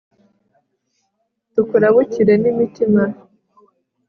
tukurabukire n'imitima